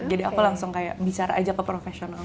jadi aku langsung kayak bicara aja ke profesional